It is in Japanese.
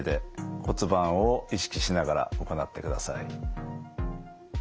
骨盤を意識しながら行ってください。